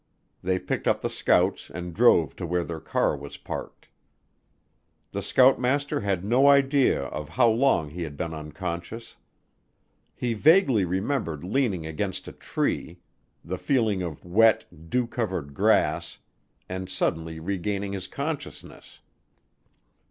They picked up the scouts and drove to where their car was parked. The scoutmaster had no idea of how long he had been unconscious. He vaguely remembered leaning against a tree, the feeling of wet, dew covered grass, and suddenly regaining his consciousness.